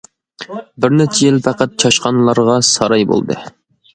بىر نەچچە يىل پەقەت چاشقانلارغا ساراي بولدى.